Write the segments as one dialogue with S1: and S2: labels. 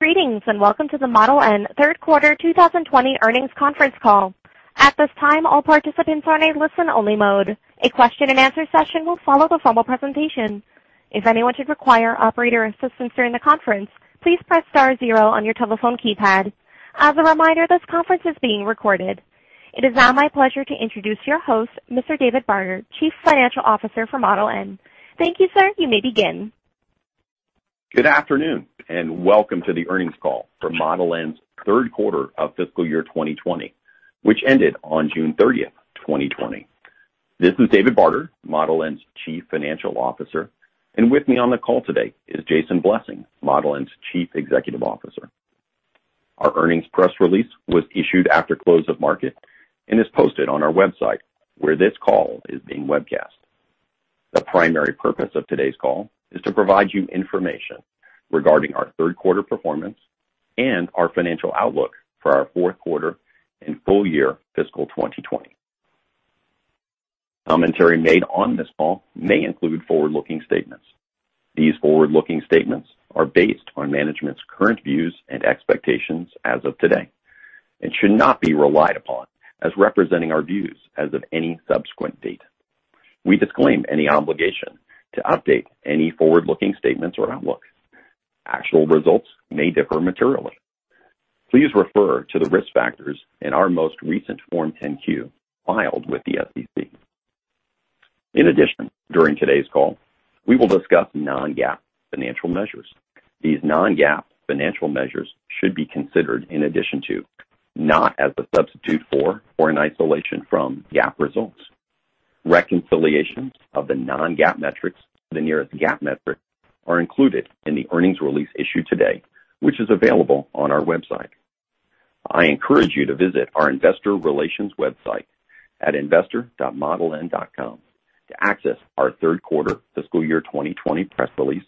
S1: Greetings, and welcome to the Model N third quarter 2020 earnings conference call. At this time, all participants are in a listen-only mode. A question and answer session will follow the formal presentation. If anyone should require operator assistance during the conference, please press star zero on your telephone keypad. As a reminder, this conference is being recorded. It is now my pleasure to introduce your host, Mr. David Barter, Chief Financial Officer for Model N. Thank you, sir. You may begin.
S2: Good afternoon, and welcome to the earnings call for Model N's third quarter of fiscal year 2020, which ended on June 30, 2020. This is David Barter, Model N's Chief Financial Officer, and with me on the call today is Jason Blessing, Model N's Chief Executive Officer. Our earnings press release was issued after close of market and is posted on our website, where this call is being webcast. The primary purpose of today's call is to provide you information regarding our third quarter performance and our financial outlook for our fourth quarter and full year fiscal 2020. Commentary made on this call may include forward-looking statements. These forward-looking statements are based on management's current views and expectations as of today and should not be relied upon as representing our views as of any subsequent date. We disclaim any obligation to update any forward-looking statements or outlooks. Actual results may differ materially. Please refer to the risk factors in our most recent Form 10-Q filed with the SEC. In addition, during today's call, we will discuss non-GAAP financial measures. These non-GAAP financial measures should be considered in addition to, not as a substitute for or in isolation from, GAAP results. Reconciliations of the non-GAAP metrics to the nearest GAAP metric are included in the earnings release issued today, which is available on our website. I encourage you to visit our investor relations website at investor.modeln.com to access our third quarter fiscal year 2020 press release,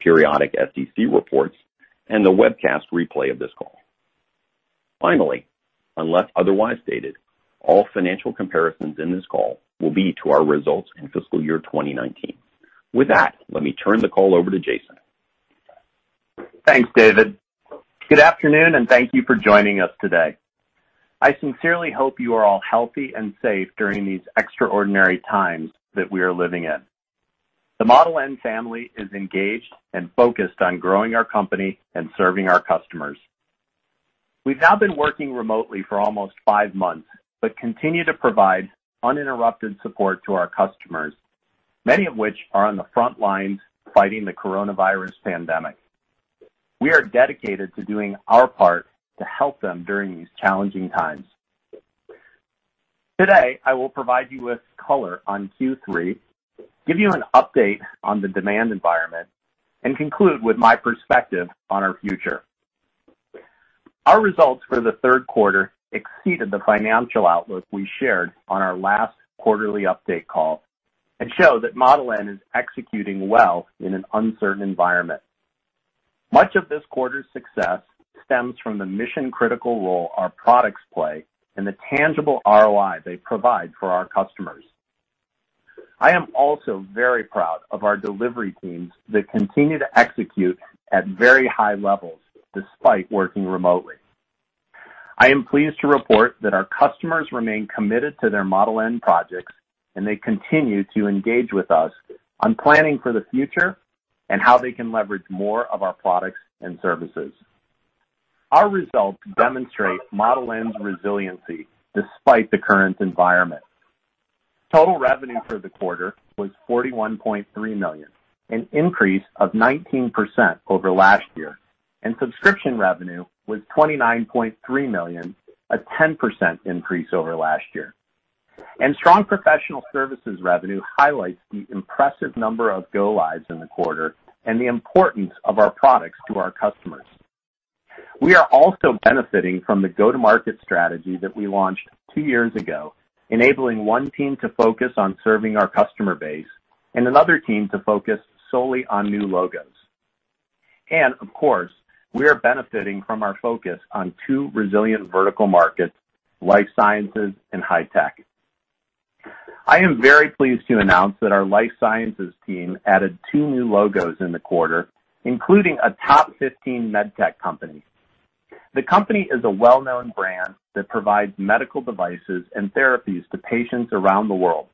S2: periodic SEC reports, and the webcast replay of this call. Finally, unless otherwise stated, all financial comparisons in this call will be to our results in fiscal year 2019. With that, let me turn the call over to Jason.
S3: Thanks, David. Good afternoon, thank you for joining us today. I sincerely hope you are all healthy and safe during these extraordinary times that we are living in. The Model N family is engaged and focused on growing our company and serving our customers. We've now been working remotely for almost five months but continue to provide uninterrupted support to our customers, many of which are on the front lines fighting the coronavirus pandemic. We are dedicated to doing our part to help them during these challenging times. Today, I will provide you with color on Q3, give you an update on the demand environment, and conclude with my perspective on our future. Our results for the third quarter exceeded the financial outlook we shared on our last quarterly update call and show that Model N is executing well in an uncertain environment. Much of this quarter's success stems from the mission-critical role our products play and the tangible ROI they provide for our customers. I am also very proud of our delivery teams that continue to execute at very high levels despite working remotely. I am pleased to report that our customers remain committed to their Model N projects, and they continue to engage with us on planning for the future and how they can leverage more of our products and services. Our results demonstrate Model N's resiliency despite the current environment. Total revenue for the quarter was $41.3 million, an increase of 19% over last year, and subscription revenue was $29.3 million, a 10% increase over last year. Strong professional services revenue highlights the impressive number of go-lives in the quarter and the importance of our products to our customers. We are also benefiting from the go-to-market strategy that we launched two years ago, enabling one team to focus on serving our customer base and another team to focus solely on new logos. Of course, we are benefiting from our focus on two resilient vertical markets, life sciences and high tech. I am very pleased to announce that our life sciences team added two new logos in the quarter, including a top 15 medtech company. The company is a well-known brand that provides medical devices and therapies to patients around the world.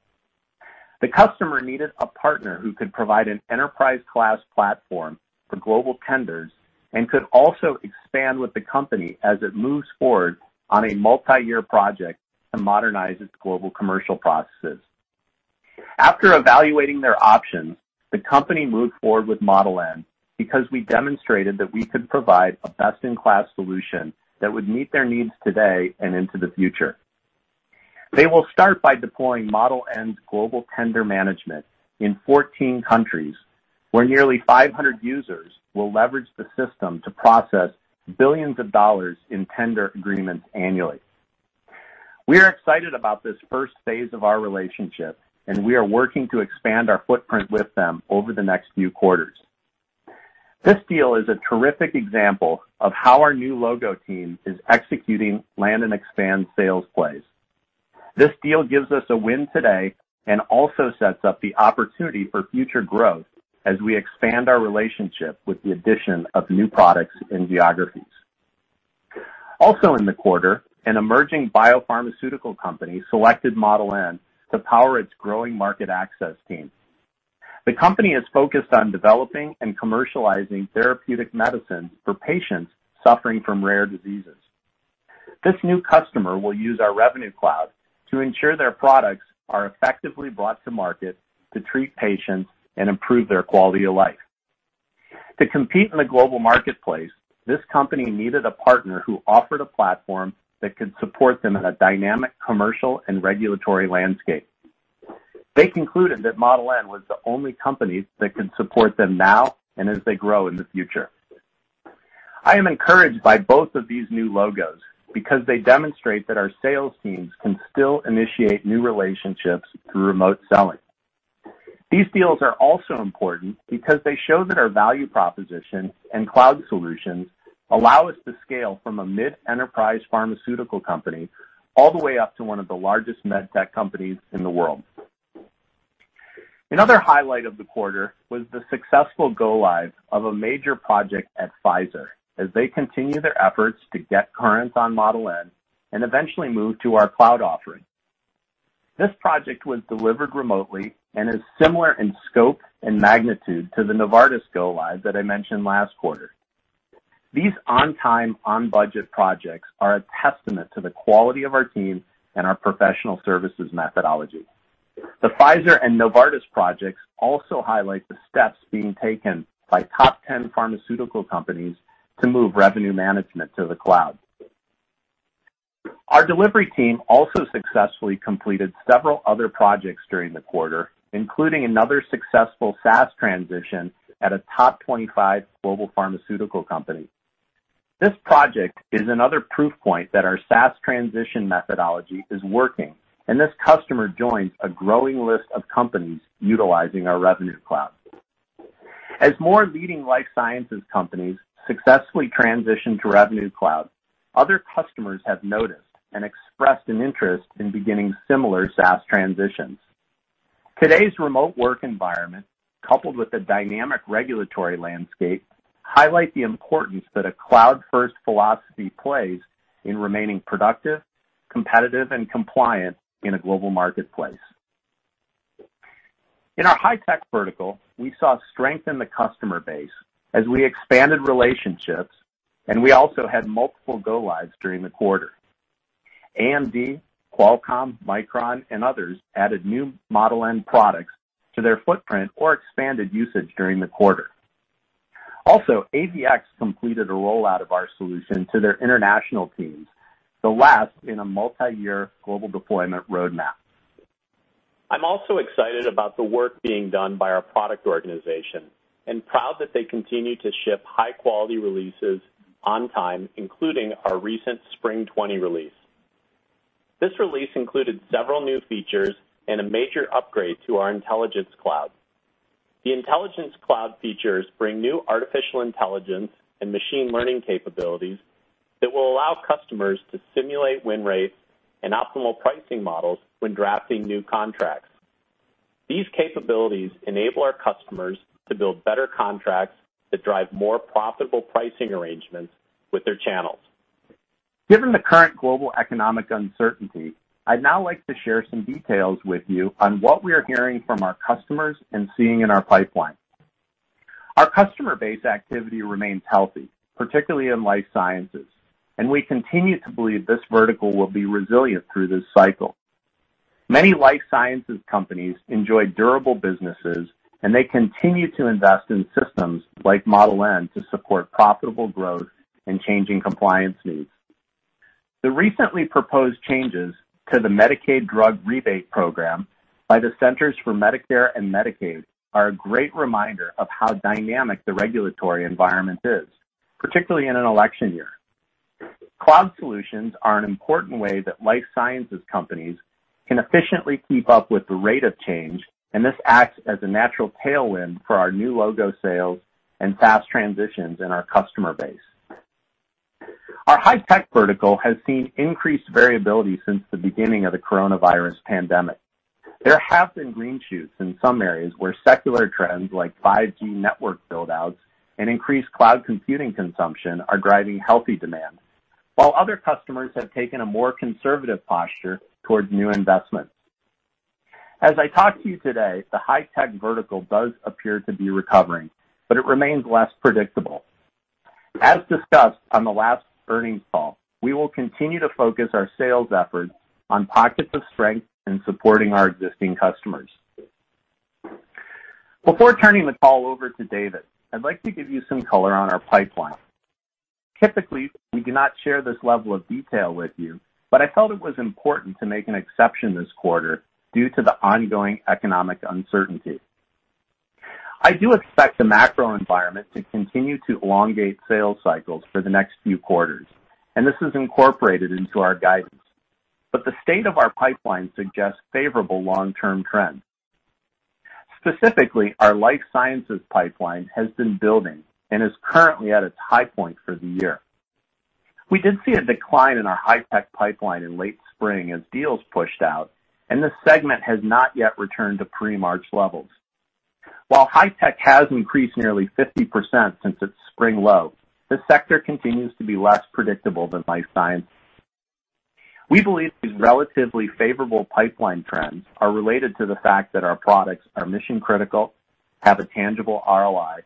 S3: The customer needed a partner who could provide an enterprise-class platform for global tenders and could also expand with the company as it moves forward on a multi-year project to modernize its global commercial processes. After evaluating their options, the company moved forward with Model N because we demonstrated that we could provide a best-in-class solution that would meet their needs today and into the future. They will start by deploying Model N's Global Tender Management in 14 countries, where nearly 500 users will leverage the system to process billions of dollars in tender agreements annually. We are excited about this first phase of our relationship, and we are working to expand our footprint with them over the next few quarters. This deal is a terrific example of how our new logo team is executing land and expand sales plays. This deal gives us a win today and also sets up the opportunity for future growth as we expand our relationship with the addition of new products and geographies. Also in the quarter, an emerging biopharmaceutical company selected Model N to power its growing market access team. The company is focused on developing and commercializing therapeutic medicines for patients suffering from rare diseases. This new customer will use our Revenue Cloud to ensure their products are effectively brought to market to treat patients and improve their quality of life. To compete in the global marketplace, this company needed a partner who offered a platform that could support them in a dynamic commercial and regulatory landscape. They concluded that Model N was the only company that can support them now and as they grow in the future. I am encouraged by both of these new logos because they demonstrate that our sales teams can still initiate new relationships through remote selling. These deals are also important because they show that our value proposition and cloud solutions allow us to scale from a mid-enterprise pharmaceutical company all the way up to one of the largest med tech companies in the world. Another highlight of the quarter was the successful go-live of a major project at Pfizer as they continue their efforts to get current on Model N and eventually move to our cloud offering. This project was delivered remotely and is similar in scope and magnitude to the Novartis go-live that I mentioned last quarter. These on-time, on-budget projects are a testament to the quality of our team and our professional services methodology. The Pfizer and Novartis projects also highlight the steps being taken by top 10 pharmaceutical companies to move revenue management to the cloud. Our delivery team also successfully completed several other projects during the quarter, including another successful SaaS transition at a top 25 global pharmaceutical company. This project is another proof point that our SaaS transition methodology is working, and this customer joins a growing list of companies utilizing our Revenue Cloud. As more leading life sciences companies successfully transition to Revenue Cloud, other customers have noticed and expressed an interest in beginning similar SaaS transitions. Today's remote work environment, coupled with a dynamic regulatory landscape, highlight the importance that a cloud-first philosophy plays in remaining productive, competitive, and compliant in a global marketplace. In our high-tech vertical, we saw strength in the customer base as we expanded relationships, and we also had multiple go-lives during the quarter. AMD, Qualcomm, Micron, and others added new Model N products to their footprint or expanded usage during the quarter. Also, AVX completed a rollout of our solution to their international teams, the last in a multi-year global deployment roadmap. I'm also excited about the work being done by our product organization and proud that they continue to ship high-quality releases on time, including our recent Spring 2020 release. This release included several new features and a major upgrade to our Intelligence Cloud. The Intelligence Cloud features bring new artificial intelligence and machine learning capabilities that will allow customers to simulate win rates and optimal pricing models when drafting new contracts. These capabilities enable our customers to build better contracts that drive more profitable pricing arrangements with their channels. Given the current global economic uncertainty, I'd now like to share some details with you on what we are hearing from our customers and seeing in our pipeline. Our customer base activity remains healthy, particularly in life sciences, and we continue to believe this vertical will be resilient through this cycle. Many life sciences companies enjoy durable businesses, and they continue to invest in systems like Model N to support profitable growth and changing compliance needs. The recently proposed changes to the Medicaid Drug Rebate Program by the Centers for Medicare & Medicaid Services are a great reminder of how dynamic the regulatory environment is, particularly in an election year. Cloud solutions are an important way that life sciences companies can efficiently keep up with the rate of change, and this acts as a natural tailwind for our new logo sales and SaaS transitions in our customer base. Our high-tech vertical has seen increased variability since the beginning of the coronavirus pandemic. There have been green shoots in some areas where secular trends like 5G network build-outs and increased cloud computing consumption are driving healthy demand, while other customers have taken a more conservative posture towards new investments. As I talk to you today, the high-tech vertical does appear to be recovering, but it remains less predictable. As discussed on the last earnings call, we will continue to focus our sales efforts on pockets of strength and supporting our existing customers. Before turning the call over to David, I'd like to give you some color on our pipeline. Typically, we do not share this level of detail with you, but I felt it was important to make an exception this quarter due to the ongoing economic uncertainty. I do expect the macro environment to continue to elongate sales cycles for the next few quarters, and this is incorporated into our guidance. The state of our pipeline suggests favorable long-term trends. Specifically, our life sciences pipeline has been building and is currently at its high point for the year. We did see a decline in our high-tech pipeline in late spring as deals pushed out, and this segment has not yet returned to pre-March levels. While high-tech has increased nearly 50% since its spring low, this sector continues to be less predictable than life sciences. We believe these relatively favorable pipeline trends are related to the fact that our products are mission-critical, have a tangible ROI,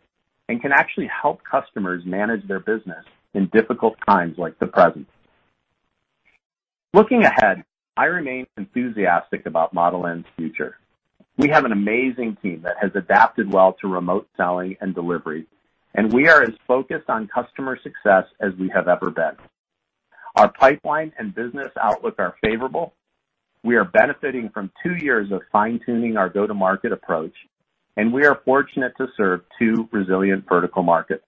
S3: and can actually help customers manage their business in difficult times like the present. Looking ahead, I remain enthusiastic about Model N's future. We have an amazing team that has adapted well to remote selling and delivery, and we are as focused on customer success as we have ever been. Our pipeline and business outlook are favorable. We are benefiting from two years of fine-tuning our go-to-market approach, and we are fortunate to serve two resilient vertical markets.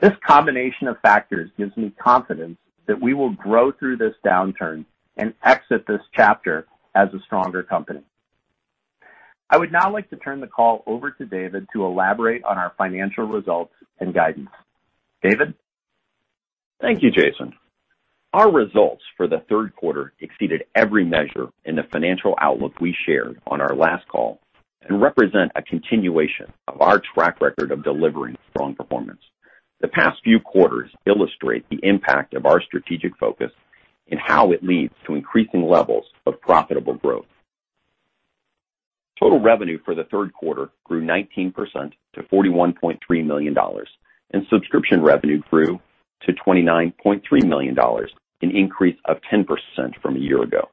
S3: This combination of factors gives me confidence that we will grow through this downturn and exit this chapter as a stronger company. I would now like to turn the call over to David to elaborate on our financial results and guidance. David?
S2: Thank you, Jason. Our results for the third quarter exceeded every measure in the financial outlook we shared on our last call, and represent a continuation of our track record of delivering strong performance. The past few quarters illustrate the impact of our strategic focus and how it leads to increasing levels of profitable growth. Total revenue for the third quarter grew 19% to $41.3 million, and subscription revenue grew to $29.3 million, an increase of 10% from a year ago.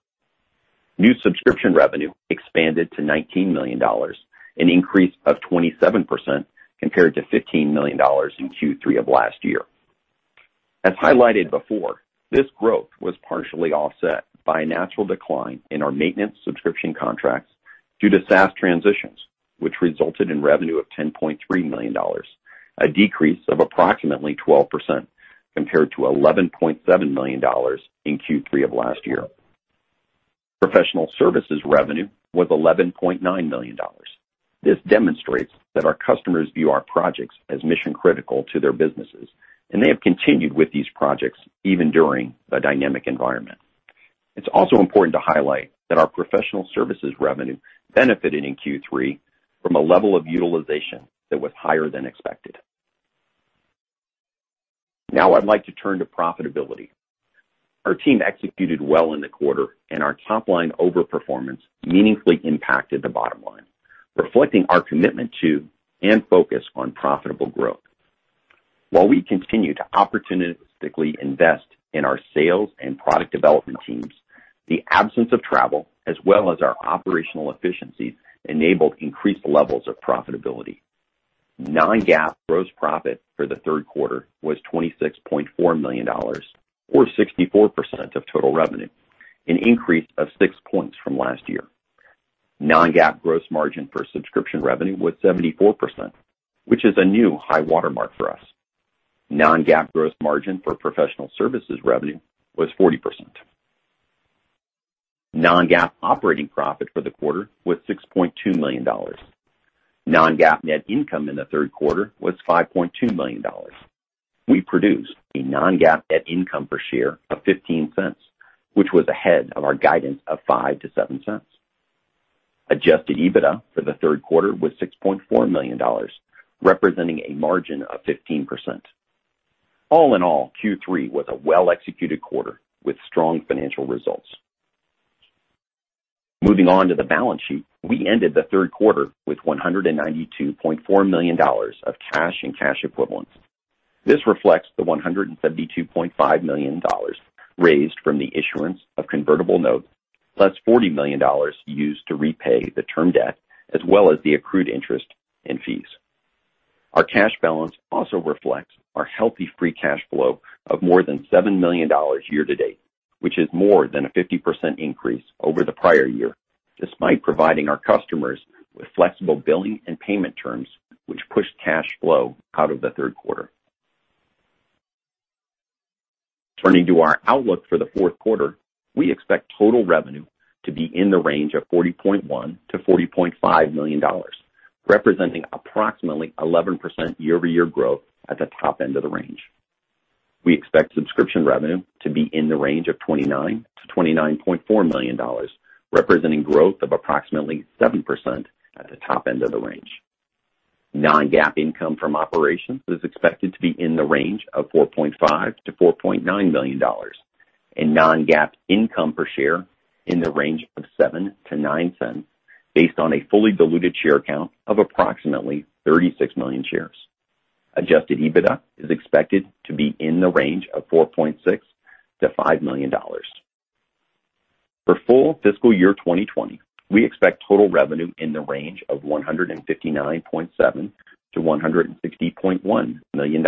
S2: New subscription revenue expanded to $19 million, an increase of 27% compared to $15 million in Q3 of last year. As highlighted before, this growth was partially offset by a natural decline in our maintenance subscription contracts due to SaaS transitions, which resulted in revenue of $10.3 million, a decrease of approximately 12% compared to $11.7 million in Q3 of last year. Professional services revenue was $11.9 million. This demonstrates that our customers view our projects as mission-critical to their businesses, and they have continued with these projects even during a dynamic environment. It's also important to highlight that our professional services revenue benefited in Q3 from a level of utilization that was higher than expected. Now I'd like to turn to profitability. Our team executed well in the quarter, and our top-line over-performance meaningfully impacted the bottom line, reflecting our commitment to and focus on profitable growth. While we continue to opportunistically invest in our sales and product development teams, the absence of travel as well as our operational efficiencies enabled increased levels of profitability. Non-GAAP gross profit for the third quarter was $26.4 million or 64% of total revenue, an increase of six points from last year. Non-GAAP gross margin for subscription revenue was 74%, which is a new high watermark for us. Non-GAAP gross margin for professional services revenue was 40%. Non-GAAP operating profit for the quarter was $6.2 million. Non-GAAP net income in the third quarter was $5.2 million. We produced a non-GAAP net income per share of $0.15, which was ahead of our guidance of $0.05-$0.07. Adjusted EBITDA for the third quarter was $6.4 million, representing a margin of 15%. All in all, Q3 was a well-executed quarter with strong financial results. Moving on to the balance sheet. We ended the third quarter with $192.4 million of cash and cash equivalents. This reflects the $172.5 million raised from the issuance of convertible notes, plus $40 million used to repay the term debt, as well as the accrued interest and fees. Our cash balance also reflects our healthy free cash flow of more than $7 million year to date, which is more than a 50% increase over the prior year, despite providing our customers with flexible billing and payment terms, which pushed cash flow out of the third quarter. Turning to our outlook for the fourth quarter. We expect total revenue to be in the range of $40.1 million-$40.5 million, representing approximately 11% year-over-year growth at the top end of the range. We expect subscription revenue to be in the range of $29.0 million-$29.4 million, representing growth of approximately 7% at the top end of the range. Non-GAAP income from operations is expected to be in the range of $4.5 million-$4.9 million and non-GAAP income per share in the range of $0.07-$0.09, based on a fully diluted share count of approximately 36 million shares. Adjusted EBITDA is expected to be in the range of $4.6 million-$5 million. For full FY 2020, we expect total revenue in the range of $159.7 million-$160.1 million.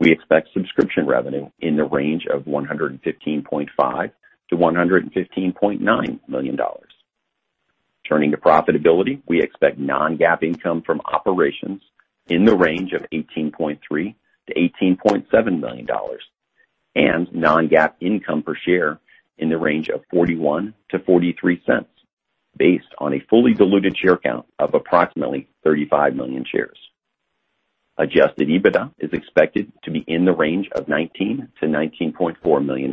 S2: We expect subscription revenue in the range of $115.5 million-$115.9 million. Turning to profitability, we expect non-GAAP income from operations in the range of $18.3 million-$18.7 million. Non-GAAP income per share in the range of $0.41-$0.43, based on a fully diluted share count of approximately 35 million shares. Adjusted EBITDA is expected to be in the range of $19 million-$19.4 million.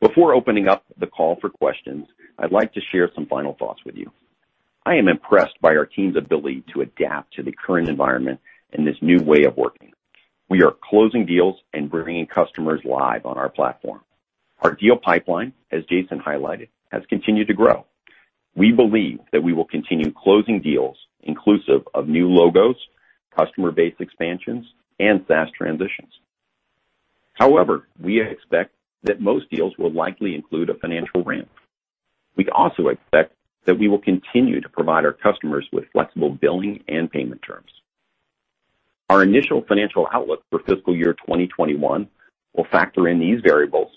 S2: Before opening up the call for questions, I'd like to share some final thoughts with you. I am impressed by our team's ability to adapt to the current environment and this new way of working. We are closing deals and bringing customers live on our platform. Our deal pipeline, as Jason highlighted, has continued to grow. We believe that we will continue closing deals inclusive of new logos, customer base expansions, and SaaS transitions. We expect that most deals will likely include a financial ramp. We also expect that we will continue to provide our customers with flexible billing and payment terms. Our initial financial outlook for fiscal year 2021 will factor in these variables.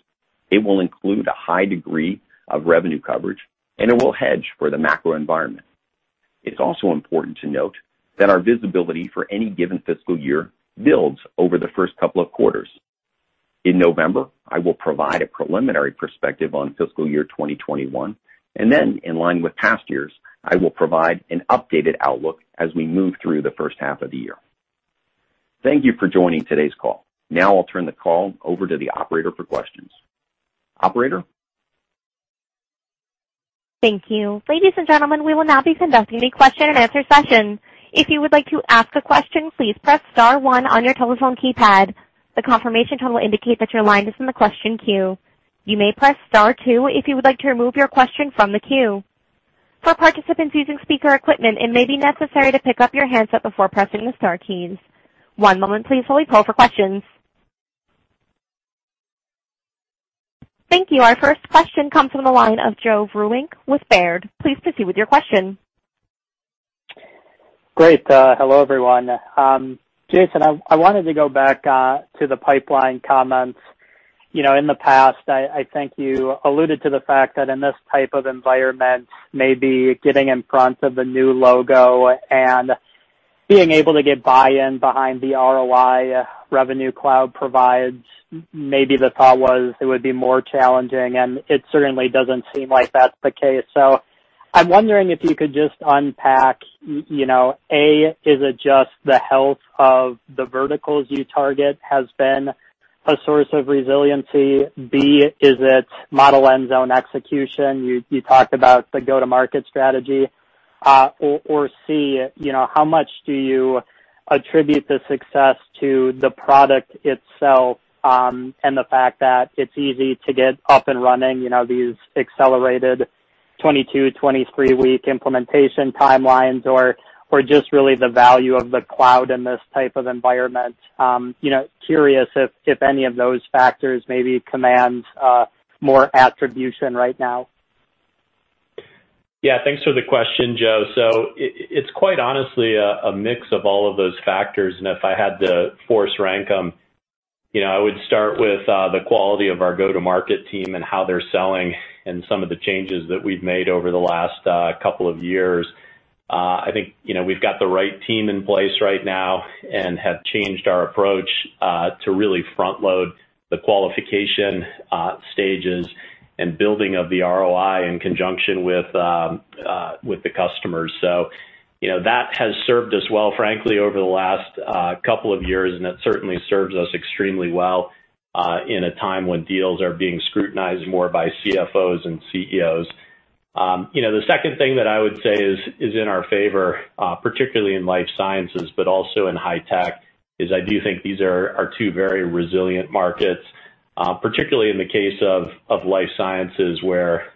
S2: It will include a high degree of revenue coverage, and it will hedge for the macro environment. It's also important to note that our visibility for any given fiscal year builds over the first couple of quarters. In November, I will provide a preliminary perspective on fiscal year 2021, and then, in line with past years, I will provide an updated outlook as we move through the first half of the year. Thank you for joining today's call. Now I'll turn the call over to the operator for questions. Operator?
S1: Thank you. Ladies and gentlemen, we will now be conducting a question and answer session. If you would like to ask a question, please press star one on your telephone keypad. The confirmation tone will indicate that your line is in the question queue. You may press star two if you would like to remove your question from the queue. For participants using speaker equipment, it may be necessary to pick up your handset before pressing the star keys. One moment please while we poll for questions. Thank you. Our first question comes from the line of Joe Vruwink with Baird. Please proceed with your question.
S4: Great. Hello, everyone. Jason, I wanted to go back to the pipeline comments. In the past, I think you alluded to the fact that in this type of environment, maybe getting in front of a new logo and being able to get buy-in behind the ROI Revenue Cloud provides, maybe the thought was it would be more challenging, and it certainly doesn't seem like that's the case. I'm wondering if you could just unpack, A, is it just the health of the verticals you target has been a source of resiliency? B, is it Model N's own execution? You talked about the go-to-market strategy. C, how much do you attribute the success to the product itself, and the fact that it's easy to get up and running these accelerated 22, 23-week implementation timelines, or just really the value of the cloud in this type of environment? Curious if any of those factors maybe command more attribution right now?
S3: Yeah. Thanks for the question, Joe. It's quite honestly a mix of all of those factors, and if I had to force rank them, I would start with the quality of our go-to-market team and how they're selling and some of the changes that we've made over the last couple of years. I think we've got the right team in place right now and have changed our approach to really front-load the qualification stages and building of the ROI in conjunction with the customers. That has served us well, frankly, over the last couple of years, and it certainly serves us extremely well in a time when deals are being scrutinized more by CFOs and CEOs. The second thing that I would say is in our favor, particularly in life sciences, but also in high tech, is I do think these are two very resilient markets, particularly in the case of life sciences, where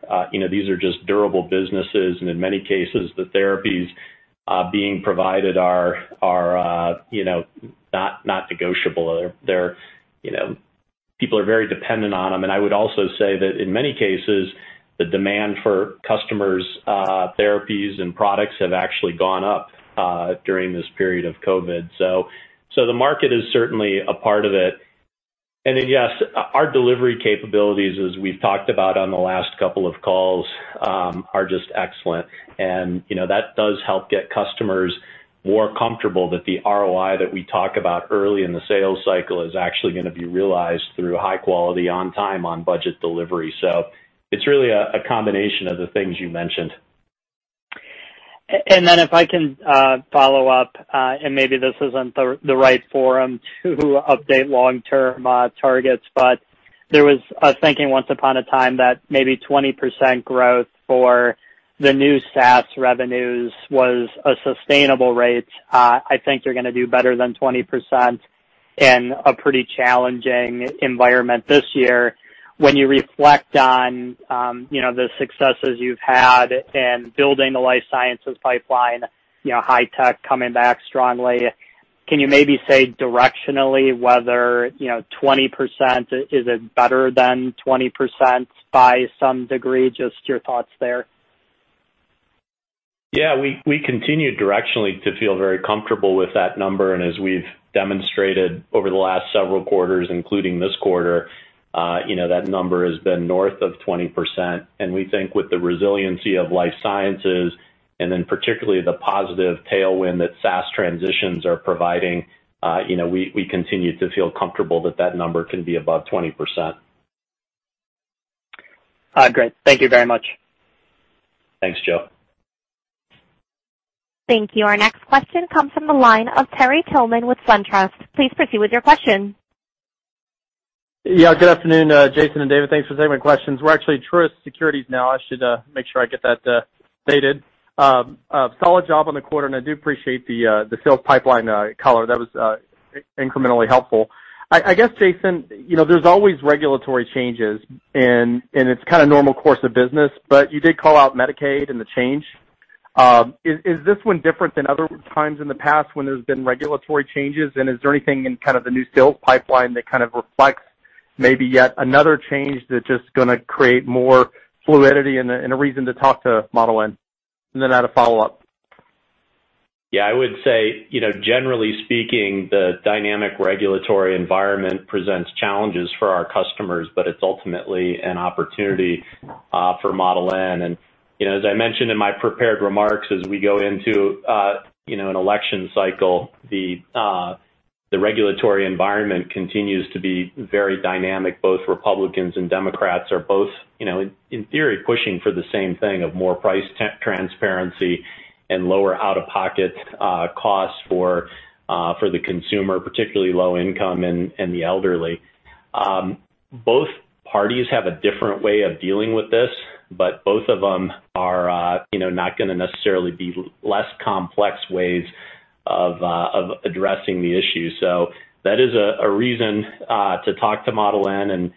S3: these are just durable businesses, and in many cases, the therapies being provided are not negotiable. People are very dependent on them, and I would also say that in many cases, the demand for customers' therapies and products have actually gone up during this period of COVID. The market is certainly a part of it. Yes, our delivery capabilities, as we've talked about on the last couple of calls, are just excellent, and that does help get customers more comfortable that the ROI that we talk about early in the sales cycle is actually gonna be realized through high quality, on time, on budget delivery. It's really a combination of the things you mentioned.
S4: If I can follow up, maybe this isn't the right forum to update long-term targets, but I was thinking once upon a time that maybe 20% growth for the new SaaS revenues was a sustainable rate. I think you're gonna do better than 20% in a pretty challenging environment this year. When you reflect on the successes you've had in building the life sciences pipeline, high tech coming back strongly, can you maybe say directionally whether 20%, is it better than 20% by some degree? Just your thoughts there.
S3: Yeah. We continue directionally to feel very comfortable with that number, and as we've demonstrated over the last several quarters, including this quarter, that number has been north of 20%, and we think with the resiliency of life sciences Particularly the positive tailwind that SaaS transitions are providing, we continue to feel comfortable that that number can be above 20%.
S4: Great. Thank you very much.
S3: Thanks, Joe.
S1: Thank you. Our next question comes from the line of Terry Tillman with SunTrust. Please proceed with your question.
S5: Good afternoon, Jason and David. Thanks for taking my questions. We're actually Truist Securities now. I should make sure I get that stated. Solid job on the quarter. I do appreciate the sales pipeline color. That was incrementally helpful. I guess, Jason, there's always regulatory changes. It's kind of normal course of business, you did call out Medicaid and the change. Is this one different than other times in the past when there's been regulatory changes? Is there anything in kind of the new sales pipeline that kind of reflects maybe yet another change that's just going to create more fluidity and a reason to talk to Model N? I had a follow-up.
S3: Yeah, I would say, generally speaking, the dynamic regulatory environment presents challenges for our customers, but it's ultimately an opportunity for Model N. As I mentioned in my prepared remarks, as we go into an election cycle, the regulatory environment continues to be very dynamic. Both Republicans and Democrats are both, in theory, pushing for the same thing of more price transparency and lower out-of-pocket costs for the consumer, particularly low income and the elderly. Both parties have a different way of dealing with this, but both of them are not going to necessarily be less complex ways of addressing the issue. That is a reason to talk to Model N and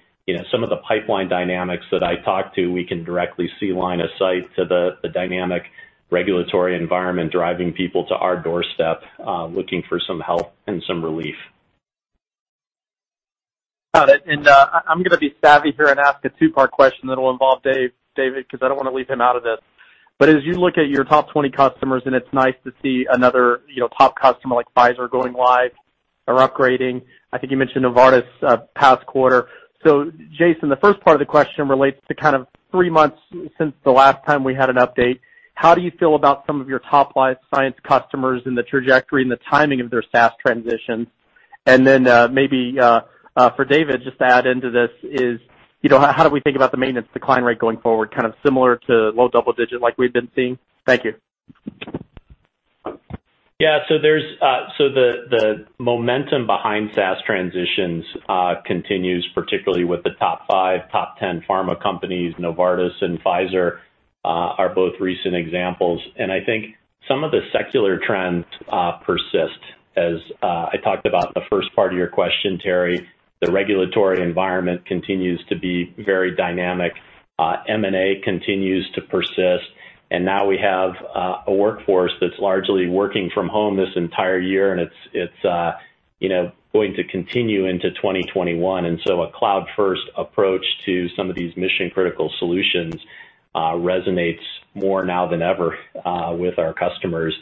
S3: some of the pipeline dynamics that I talked to, we can directly see line of sight to the dynamic regulatory environment driving people to our doorstep, looking for some help and some relief.
S5: Got it. I'm going to be savvy here and ask a two-part question that'll involve David, because I don't want to leave him out of this. As you look at your top 20 customers, and it's nice to see another top customer like Pfizer going live or upgrading. I think you mentioned Novartis past quarter. Jason, the first part of the question relates to kind of three months since the last time we had an update. How do you feel about some of your top life science customers and the trajectory and the timing of their SaaS transitions? Then, maybe, for David, just to add into this is, how do we think about the maintenance decline rate going forward, kind of similar to low double-digit like we've been seeing? Thank you.
S3: Yeah. The momentum behind SaaS transitions continues, particularly with the top five, top 10 pharma companies, Novartis and Pfizer are both recent examples. I think some of the secular trends persist. As I talked about in the first part of your question, Terry, the regulatory environment continues to be very dynamic. M&A continues to persist, and now we have a workforce that's largely working from home this entire year, and it's going to continue into 2021. A cloud-first approach to some of these mission-critical solutions resonates more now than ever with our customers.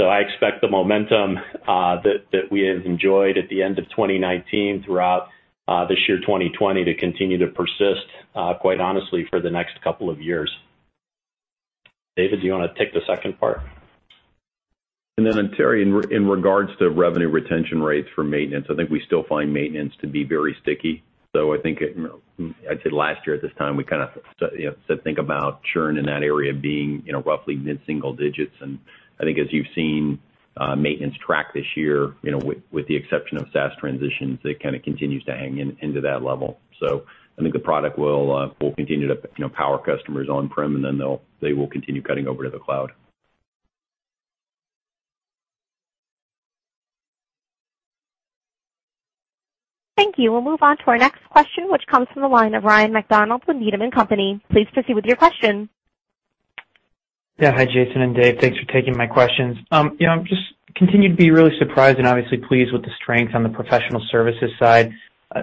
S3: I expect the momentum that we have enjoyed at the end of 2019 throughout this year, 2020, to continue to persist, quite honestly, for the next couple of years. David, do you want to take the second part?
S2: Then, Terry, in regards to revenue retention rates for maintenance, I think we still find maintenance to be very sticky. I think I said last year at this time, we kind of think about churn in that area being roughly mid-single digits. I think as you've seen maintenance track this year, with the exception of SaaS transitions, it kind of continues to hang into that level. I think the product will continue to power customers on-prem, and then they will continue cutting over to the cloud.
S1: Thank you. We'll move on to our next question, which comes from the line of Ryan MacDonald with Needham & Company. Please proceed with your question.
S6: Yeah. Hi, Jason and David. Thanks for taking my questions. Just continue to be really surprised and obviously pleased with the strength on the professional services side.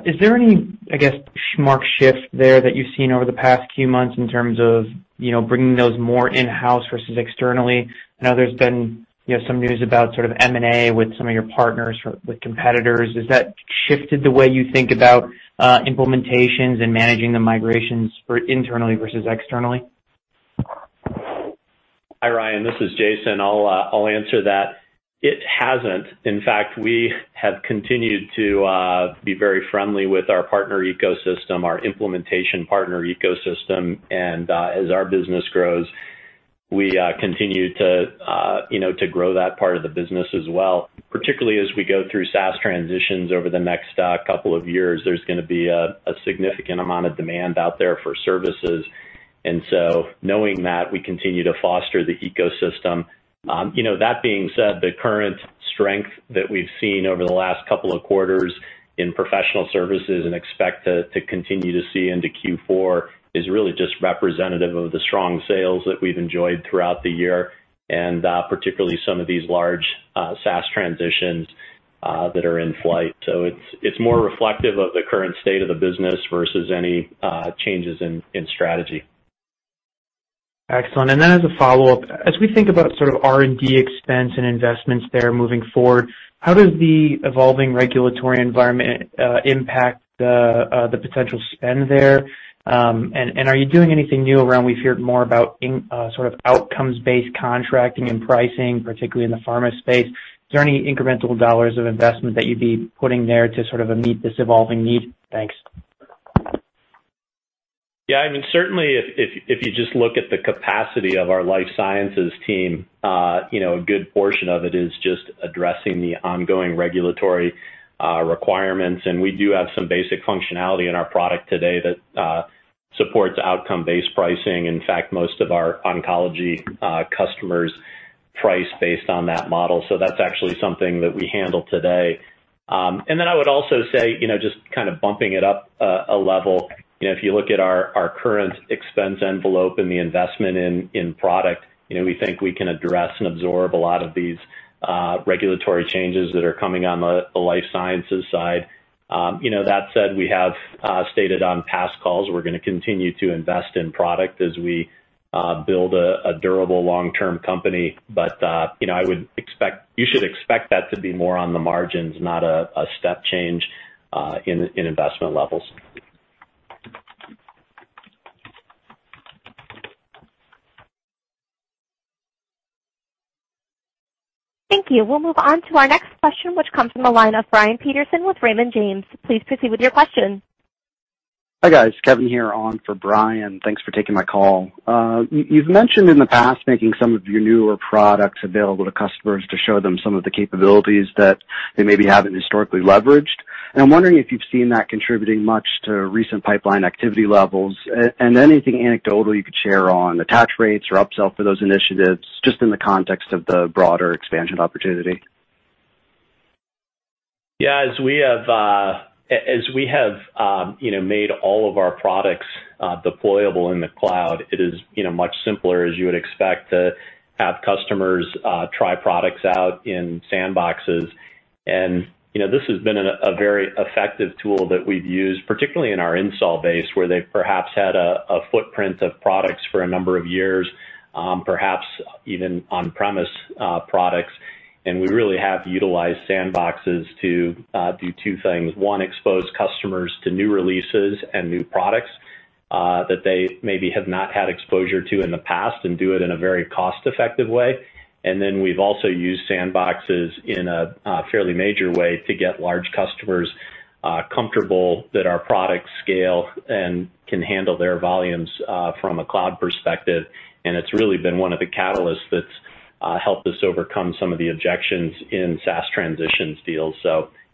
S6: Is there any, I guess, marked shift there that you've seen over the past few months in terms of bringing those more in-house versus externally? I know there's been some news about sort of M&A with some of your partners, with competitors. Has that shifted the way you think about implementations and managing the migrations for internally versus externally?
S3: Hi, Ryan. This is Jason. I'll answer that. It hasn't. In fact, we have continued to be very friendly with our partner ecosystem, our implementation partner ecosystem. As our business grows, we continue to grow that part of the business as well. Particularly as we go through SaaS transitions over the next two years, there's going to be a significant amount of demand out there for services. Knowing that, we continue to foster the ecosystem. That being said, the current strength that we've seen over the last two quarters in professional services and expect to continue to see into Q4 is really just representative of the strong sales that we've enjoyed throughout the year, and particularly some of these large SaaS transitions that are in flight. It's more reflective of the current state of the business versus any changes in strategy.
S6: Excellent. Then as a follow-up, as we think about sort of R&D expense and investments there moving forward, how does the evolving regulatory environment impact the potential spend there? Are you doing anything new around, we've heard more about sort of outcomes-based contracting and pricing, particularly in the pharma space. Is there any incremental dollars of investment that you'd be putting there to sort of meet this evolving need? Thanks.
S3: Certainly, if you just look at the capacity of our life sciences team, a good portion of it is just addressing the ongoing regulatory requirements, and we do have some basic functionality in our product today that supports outcome-based pricing. In fact, most of our oncology customers price based on that model, so that's actually something that we handle today. I would also say, just kind of bumping it up a level, if you look at our current expense envelope and the investment in product, we think we can address and absorb a lot of these regulatory changes that are coming on the life sciences side. That said, we have stated on past calls we're going to continue to invest in product as we build a durable long-term company. You should expect that to be more on the margins, not a step change in investment levels.
S1: Thank you. We'll move on to our next question, which comes from the line of Brian Peterson with Raymond James. Please proceed with your question.
S7: Hi, guys. Kevin here on for Brian. Thanks for taking my call. You've mentioned in the past making some of your newer products available to customers to show them some of the capabilities that they maybe haven't historically leveraged. I'm wondering if you've seen that contributing much to recent pipeline activity levels, and anything anecdotal you could share on attach rates or upsell for those initiatives, just in the context of the broader expansion opportunity.
S3: Yeah, as we have made all of our products deployable in the cloud, it is much simpler, as you would expect, to have customers try products out in sandboxes. This has been a very effective tool that we've used, particularly in our install base, where they've perhaps had a footprint of products for a number of years, perhaps even on-premise products. We really have utilized sandboxes to do two things. One, expose customers to new releases and new products that they maybe have not had exposure to in the past, and do it in a very cost-effective way. Then we've also used sandboxes in a fairly major way to get large customers comfortable that our products scale and can handle their volumes from a cloud perspective. It's really been one of the catalysts that's helped us overcome some of the objections in SaaS transitions deals.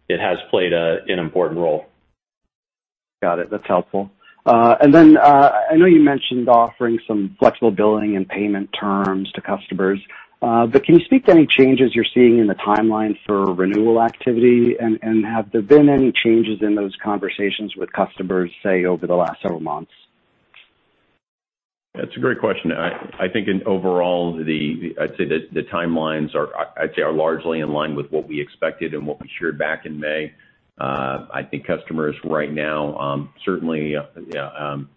S3: It has played an important role.
S7: Got it. That's helpful. I know you mentioned offering some flexible billing and payment terms to customers. Can you speak to any changes you're seeing in the timeline for renewal activity? Have there been any changes in those conversations with customers, say, over the last several months?
S2: That's a great question. I think in overall, I'd say that the timelines are largely in line with what we expected and what we shared back in May. I think customers right now, certainly,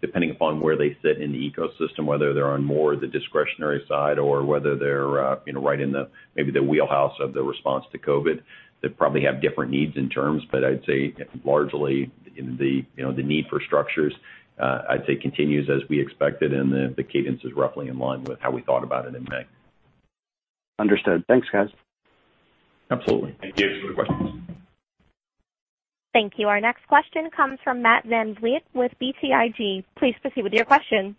S2: depending upon where they sit in the ecosystem, whether they're on more the discretionary side or whether they're right in the maybe the wheelhouse of the response to COVID, they probably have different needs and terms. I'd say largely, the need for structures, I'd say, continues as we expected, and the cadence is roughly in line with how we thought about it in May.
S7: Understood. Thanks, guys.
S2: Absolutely.
S3: Thank you. Thanks for the questions.
S1: Thank you. Our next question comes from Matt VanVliet with BTIG. Please proceed with your question.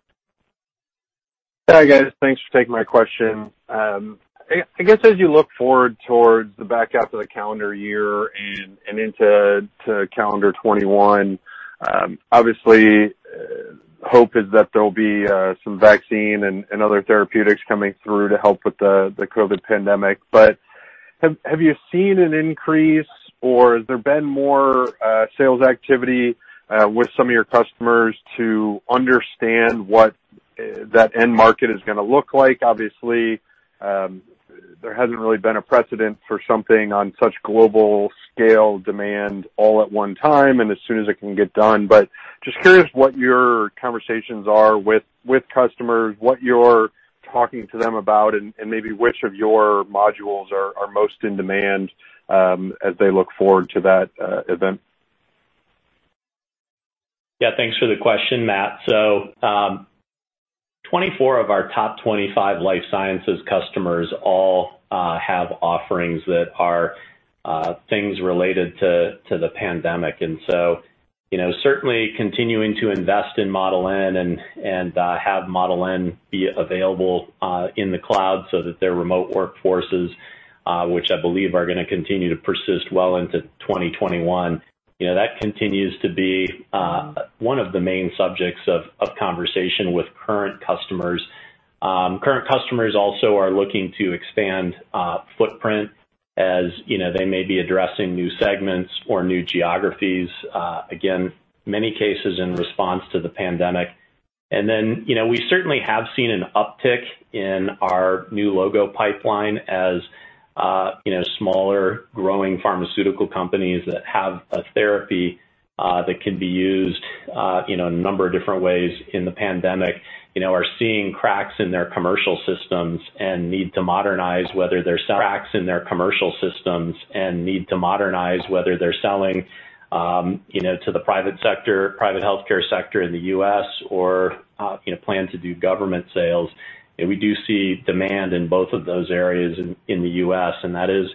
S8: Hi, guys. Thanks for taking my question. I guess as you look forward towards the back half of the calendar year and into calendar 2021, obviously, hope is that there'll be some vaccine and other therapeutics coming through to help with the COVID pandemic. Have you seen an increase, or has there been more sales activity with some of your customers to understand what that end market is gonna look like? Obviously, there hasn't really been a precedent for something on such global scale demand all at one time and as soon as it can get done. Just curious what your conversations are with customers, what you're talking to them about, and maybe which of your modules are most in demand as they look forward to that event.
S3: Thanks for the question, Matt. 24 of our top 25 life sciences customers all have offerings that are things related to the pandemic. Certainly continuing to invest in Model N and have Model N be available in the cloud so that their remote workforces, which I believe are gonna continue to persist well into 2021. That continues to be one of the main subjects of conversation with current customers. Current customers also are looking to expand footprint as they may be addressing new segments or new geographies. Again, many cases in response to the pandemic. Then, we certainly have seen an uptick in our new logo pipeline as smaller growing pharmaceutical companies that have a therapy that can be used a number of different ways in the pandemic, are seeing cracks in their commercial systems and need to modernize whether they're selling to the private sector, private healthcare sector in the U.S. or plan to do government sales. We do see demand in both of those areas in the U.S., and that is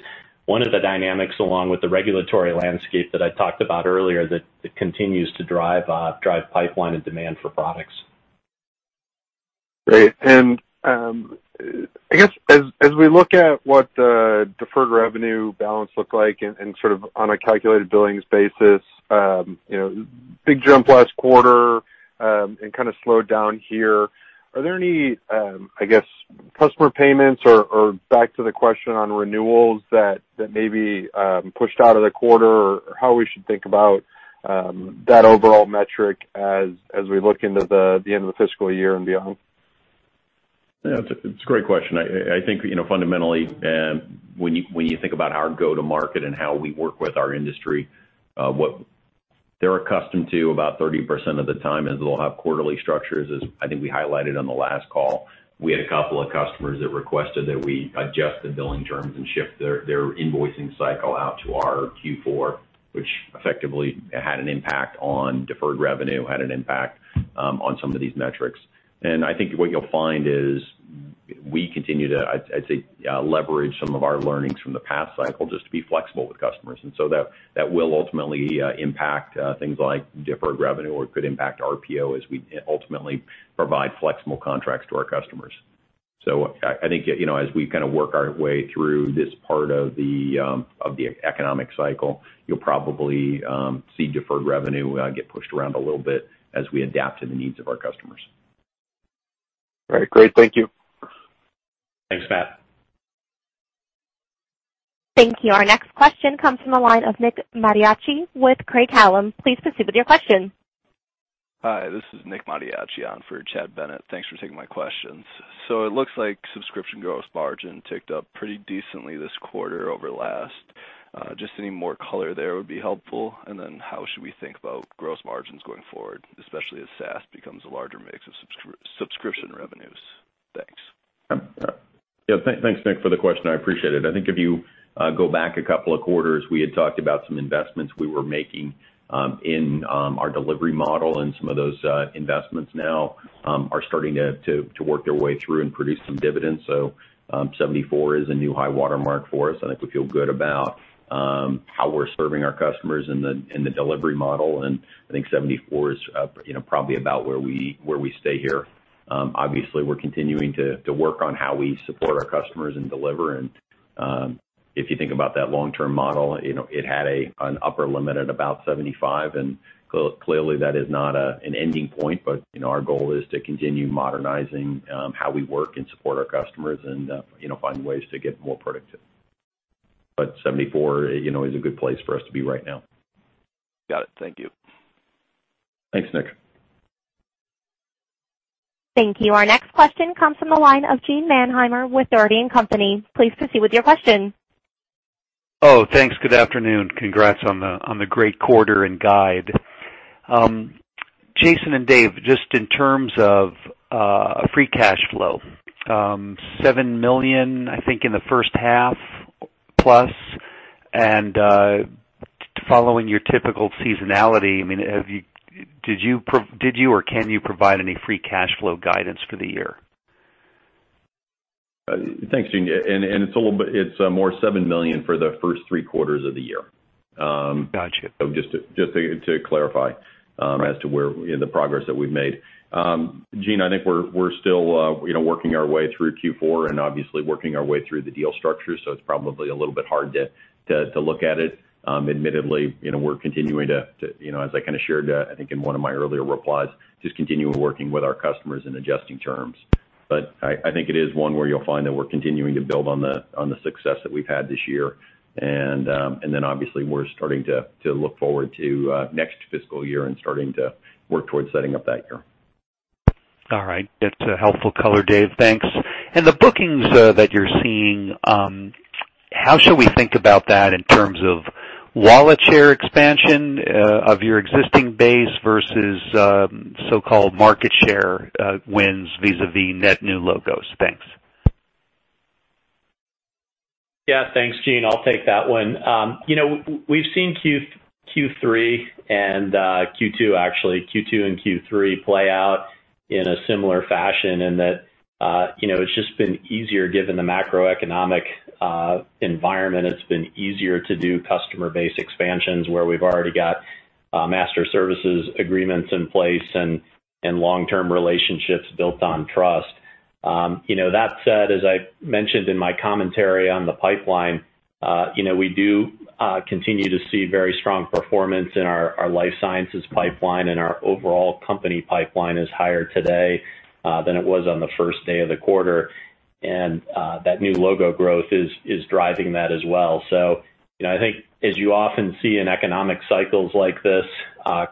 S3: one of the dynamics, along with the regulatory landscape that I talked about earlier, that continues to drive pipeline and demand for products.
S8: Great. I guess as we look at what the deferred revenue balance looked like and on a calculated billings basis, big jump last quarter, and slowed down here. Are there any, I guess, customer payments or back to the question on renewals that maybe pushed out of the quarter or how we should think about that overall metric as we look into the end of the fiscal year and beyond?
S2: Yeah, it's a great question. I think fundamentally, when you think about our go-to-market and how we work with our industry, what they're accustomed to about 30% of the time is they'll have quarterly structures, as I think we highlighted on the last call. We had a couple of customers that requested that we adjust the billing terms and shift their invoicing cycle out to our Q4, which effectively had an impact on deferred revenue, had an impact on some of these metrics. I think what you'll find is we continue to, I'd say, leverage some of our learnings from the past cycle just to be flexible with customers. That will ultimately impact things like deferred revenue or it could impact RPO as we ultimately provide flexible contracts to our customers. I think as we work our way through this part of the economic cycle, you'll probably see deferred revenue get pushed around a little bit as we adapt to the needs of our customers.
S8: All right. Great. Thank you.
S2: Thanks, Matt.
S1: Thank you. Our next question comes from the line of Nick Mariacci with Craig-Hallum. Please proceed with your question.
S9: Hi, this is Nick Mariacci on for Chad Bennett. Thanks for taking my questions. It looks like subscription gross margin ticked up pretty decently this quarter over last. Just any more color there would be helpful. How should we think about gross margins going forward, especially as SaaS becomes a larger mix of subscription revenues? Thanks.
S2: Yeah. Thanks, Nick, for the question. I appreciate it. I think if you go back a couple of quarters, we had talked about some investments we were making in our delivery model, and some of those investments now are starting to work their way through and produce some dividends. 74 is a new high watermark for us. I think we feel good about how we're serving our customers in the delivery model, and I think 74 is probably about where we stay here. Obviously, we're continuing to work on how we support our customers and deliver. If you think about that long-term model, it had an upper limit at about 75, and clearly that is not an ending point, but our goal is to continue modernizing how we work and support our customers and find ways to get more productive. 74 is a good place for us to be right now.
S9: Got it. Thank you.
S2: Thanks, Nick.
S1: Thank you. Our next question comes from the line of Gene Mannheimer with Dougherty & Company. Please proceed with your question.
S10: Thanks. Good afternoon. Congrats on the great quarter and guide. Jason and David, just in terms of free cash flow, $7 million, I think in the first half plus, and following your typical seasonality, did you or can you provide any free cash flow guidance for the year?
S2: Thanks, Gene. It's more $7 million for the first three quarters of the year.
S10: Got you.
S2: Just to clarify as to where the progress that we've made. Gene, I think we're still working our way through Q4 and obviously working our way through the deal structure, so it's probably a little bit hard to look at it. Admittedly, we're continuing to, as I kind of shared, I think in one of my earlier replies, just continuing working with our customers and adjusting terms. I think it is one where you'll find that we're continuing to build on the success that we've had this year. Obviously we're starting to look forward to next fiscal year and starting to work towards setting up that year.
S10: All right. That's a helpful color, David. Thanks. The bookings that you're seeing, how should we think about that in terms of wallet share expansion of your existing base versus so-called market share wins vis-a-vis net new logos? Thanks.
S3: Thanks, Gene. I'll take that one. We've seen Q3 and Q2 actually, Q2 and Q3 play out in a similar fashion in that it's just been easier given the macroeconomic environment. It's been easier to do customer base expansions where we've already got master services agreements in place and long-term relationships built on trust. That said, as I mentioned in my commentary on the pipeline, we do continue to see very strong performance in our life sciences pipeline, and our overall company pipeline is higher today than it was on the first day of the quarter. That new logo growth is driving that as well. I think as you often see in economic cycles like this,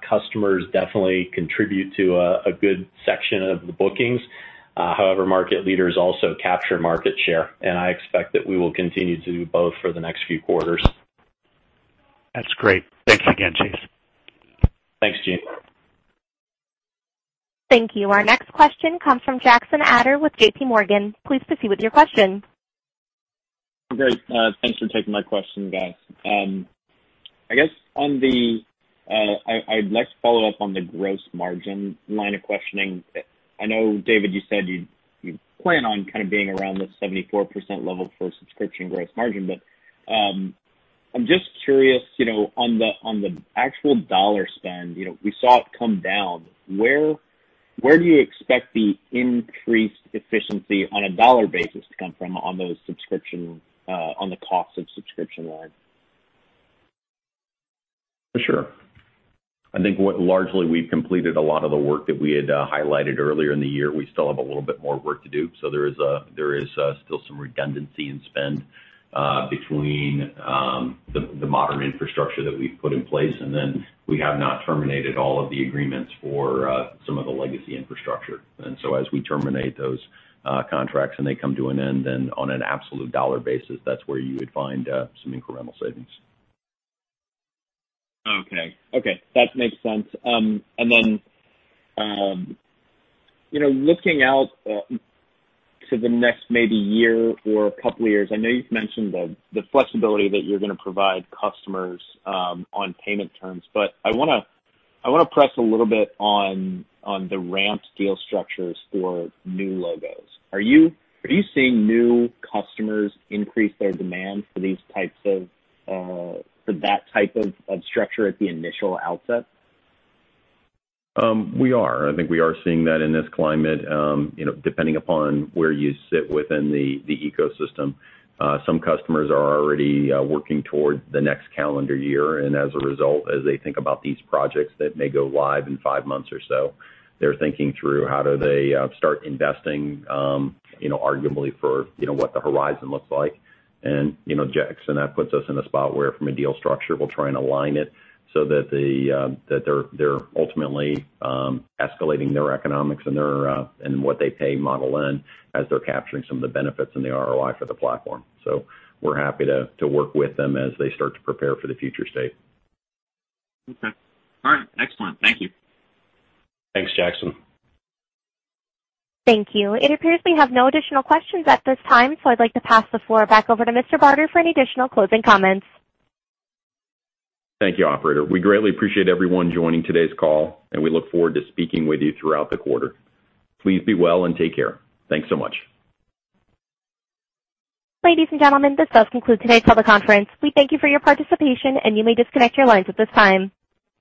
S3: customers definitely contribute to a good section of the bookings. However, market leaders also capture market share, and I expect that we will continue to do both for the next few quarters.
S10: That's great. Thanks again, Jason.
S2: Thanks, Gene.
S1: Thank you. Our next question comes from Jackson Ader with JPMorgan. Please proceed with your question.
S11: Great. Thanks for taking my question, guys. I'd like to follow up on the gross margin line of questioning. I know, David, you said you plan on kind of being around the 74% level for subscription gross margin. I'm just curious, on the actual dollar spend, we saw it come down. Where do you expect the increased efficiency on a dollar basis to come from on the cost of subscription line?
S2: For sure. I think what largely we've completed a lot of the work that we had highlighted earlier in the year, we still have a little bit more work to do. There is still some redundancy in spend between the modern infrastructure that we've put in place, and then we have not terminated all of the agreements for some of the legacy infrastructure. As we terminate those contracts and they come to an end, then on an absolute dollar basis, that's where you would find some incremental savings.
S11: Okay. That makes sense. Looking out to the next maybe year or couple years, I know you've mentioned the flexibility that you're going to provide customers on payment terms, I want to press a little bit on the ramped deal structures for new logos. Are you seeing new customers increase their demand for that type of structure at the initial outset?
S2: We are. I think we are seeing that in this climate, depending upon where you sit within the ecosystem. Some customers are already working towards the next calendar year, and as a result, as they think about these projects that may go live in five months or so, they're thinking through how do they start investing arguably for what the horizon looks like. Jackson, that puts us in a spot where from a deal structure, we'll try and align it so that they're ultimately escalating their economics and what they pay Model N as they're capturing some of the benefits and the ROI for the platform. We're happy to work with them as they start to prepare for the future state.
S11: Okay. All right. Excellent. Thank you.
S2: Thanks, Jackson.
S1: Thank you. It appears we have no additional questions at this time, I'd like to pass the floor back over to Mr. Barter for any additional closing comments.
S2: Thank you, operator. We greatly appreciate everyone joining today's call, and we look forward to speaking with you throughout the quarter. Please be well and take care. Thanks so much.
S1: Ladies and gentlemen, this does conclude today's teleconference. We thank you for your participation, and you may disconnect your lines at this time.